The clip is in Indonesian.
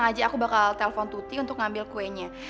nanti aku bakal telepon tuti untuk ngambil kuenya